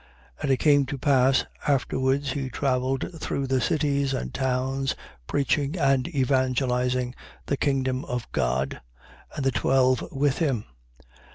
8:1. And it came to pass afterwards he travelled through the cities and towns, preaching and evangelizing the kingdom of God: and the twelve with him: 8:2.